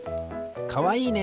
かわいいね！